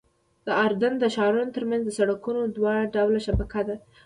د اردن د ښارونو ترمنځ د سړکونو دوه ډوله شبکه ده.